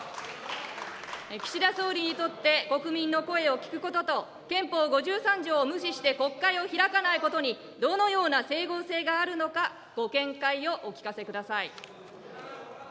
岸田総理にとって、国民の声を聞くことと、憲法５３条を無視して国会を開かないことに、どのような整合性があるのか、ご見解をお聞かせください。